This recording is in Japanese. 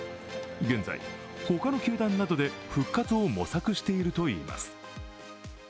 現在、ほかの球団などで復活を模索しているといいます。